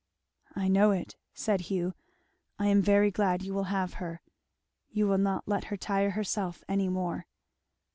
"I know it," said Hugh. "I am very glad you will have her. You will not let her tire herself any more."